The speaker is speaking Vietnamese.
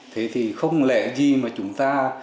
thế thì không lẽ gì mà chúng ta